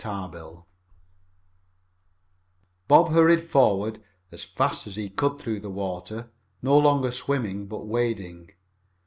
TARBILL Bob hurried forward as fast as he could through the water, no longer swimming, but wading.